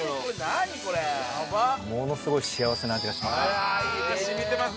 ものすごい幸せな味がします。